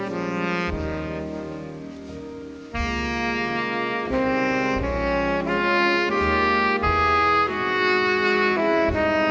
โปรดติดตามต่อไป